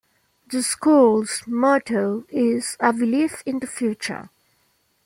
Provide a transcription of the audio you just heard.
The school's motto is A Belief in the Future.